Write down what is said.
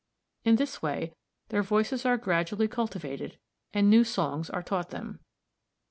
In this way their voices are gradually cultivated, and new songs are taught them.